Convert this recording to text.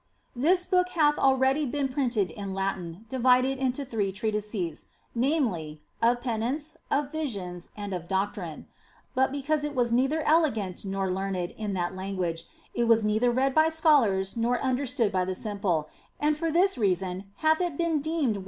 This book hath already been printed in Latin, divided into three treatises, namely of penitence, of visions, and of doctrine. But because it was neither elegant nor learned in that language, it was neither read by scholars nor understood by the simple, and for this reason hath it been deemed